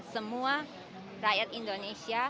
semua rakyat indonesia